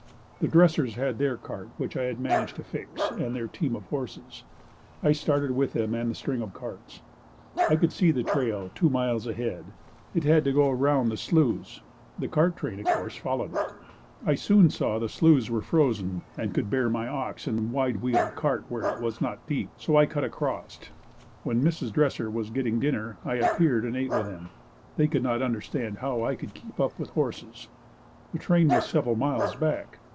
The Dressers had their cart which I had managed to fix and their team of horses. I started with them and the string of carts. I could see the trail two miles ahead. It had to go around the sloughs. The cart train of course followed it. I soon saw the sloughs were frozen and would bear my ox and wide wheeled cart where it was not deep, so I cut across. When Mrs. Dresser was getting dinner, I appeared and ate with them. They could not understand how I could keep up with horses. The train was several miles back.